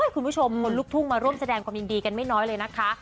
คนลูกทุ่งมาร่วมแสดงความยินดีกันไม่น้อยเลยนะคะ